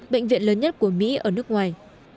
bệnh viện lớn nhất của mỹ ở nước ngoài